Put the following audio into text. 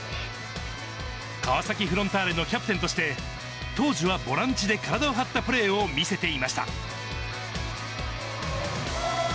川崎フロンターレのキャプテンとして、当時はボランチで体を張ったプレーを見せていました。